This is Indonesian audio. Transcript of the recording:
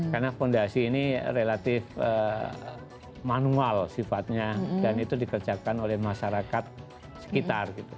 karena fondasi ini relatif manual sifatnya dan itu dikerjakan oleh masyarakat sekitar